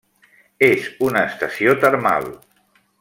És una estació termal.